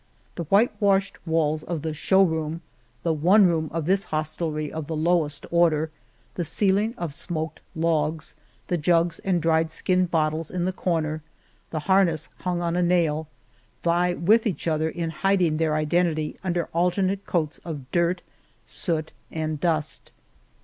The whitewashed walls of the show room, the one room of this hostelry of the lowest order, the ceiling of smoked logs, the jugs and dried skin bottles in the corner, the har ness hung on a nail, vie with each other in hiding their identity under alternate coats of dirt, soot, and dust.